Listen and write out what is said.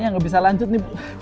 yang gak bisa lanjut nih